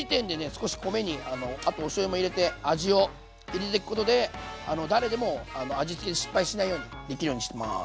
少し米にあとおしょうゆも入れて味を入れてくことで誰でも味付け失敗しないようにできるようにしてます。